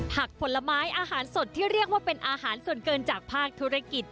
ผลไม้อาหารสดที่เรียกว่าเป็นอาหารส่วนเกินจากภาคธุรกิจ